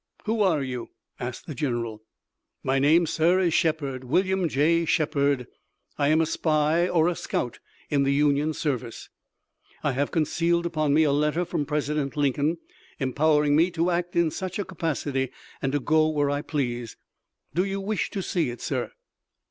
"Who are you?" asked the general. "My name, sir, is Shepard, William J. Shepard. I am a spy or a scout in the Union service. I have concealed upon me a letter from President Lincoln, empowering me to act in such a capacity and to go where I please. Do you wish to see it, sir?"